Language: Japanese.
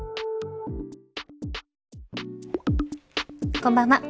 こんばんは。